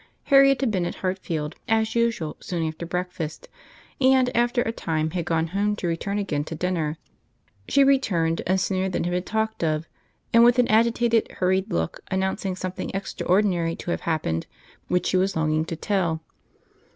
Harriet had been at Hartfield, as usual, soon after breakfast; and, after a time, had gone home to return again to dinner: she returned, and sooner than had been talked of, and with an agitated, hurried look, announcing something extraordinary to have happened which she was longing to tell.